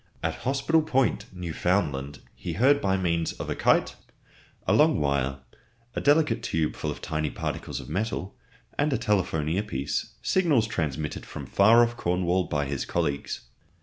At Hospital Point, Newfoundland, he heard by means of a kite, a long wire, a delicate tube full of tiny particles of metal, and a telephone ear piece, signals transmitted from far off Cornwall by his colleagues.